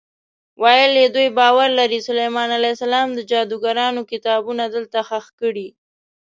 ویل یې دوی باور لري سلیمان علیه السلام د جادوګرانو کتابونه دلته ښخ کړي.